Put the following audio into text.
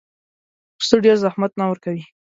پسه ډېر زحمت نه ورکوي.